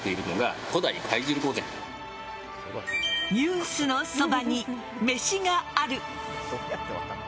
「ニュースのそばに、めしがある。」